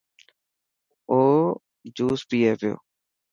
او جوس پئي پيو.